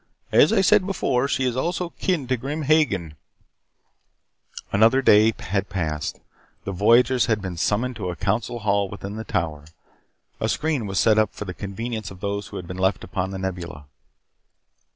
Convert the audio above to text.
As I said before, she is also kin to Grim Hagen " Another day had passed. The voyagers had been summoned to a council hall within the tower. A screen was set up for the convenience of those who had been left upon the Nebula.